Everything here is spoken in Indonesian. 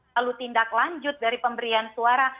lalu tindak lanjut dari pemberian suara